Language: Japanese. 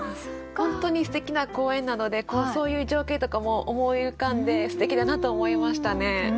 本当にすてきな公園なのでそういう情景とかも思い浮かんですてきだなと思いましたね。